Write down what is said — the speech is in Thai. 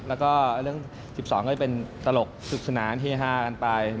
แล้วก็เรื่อง๑๒ก็จะเป็นสลกศึกษุนาที่๕กันไป